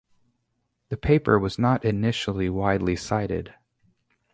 The paper was not initially widely cited.